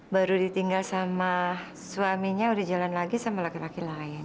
baru ditinggal sama suaminya udah jalan lagi sama laki laki lain